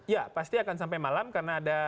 ya pasti akan sampai malam karena ada